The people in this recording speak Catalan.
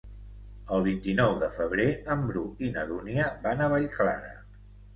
El vint-i-nou de febrer en Bru i na Dúnia van a Vallclara.